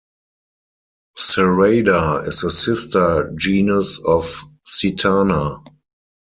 "Sarada" is the sister genus of "Sitana".